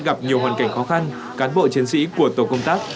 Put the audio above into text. gặp nhiều hoàn cảnh khó khăn cán bộ chiến sĩ của tổ công tác